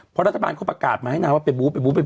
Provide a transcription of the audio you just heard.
เพราะรัฐบาลเขาประกาศมาให้นะว่า